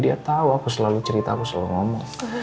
dia tahu aku selalu cerita aku selalu ngomong